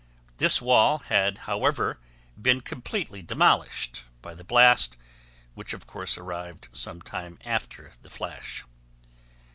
This wall had however been completely demolished by the blast, which of course arrived some time after the flash.